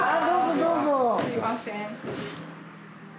すいません。